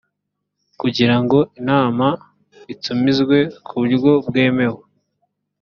kugirango inama itumizwe ku buryo bwemewe